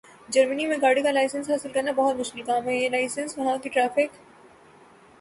۔جرمنی میں گاڑی کا لائسنس حاصل کرنا بہت مشکل کام ہے۔ یہ لائسنس وہاں کی ٹریف